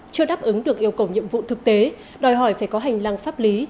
chưa đáp ứng được yêu cầu nhiệm vụ thực tế đòi hỏi phải có hành lang pháp lý